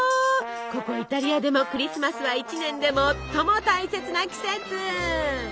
ここイタリアでもクリスマスは一年で最も大切な季節。